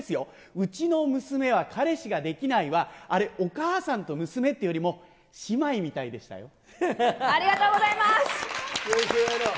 うちの娘は、彼氏ができないは、あれ、お母さんと娘っていうよりありがとうございます。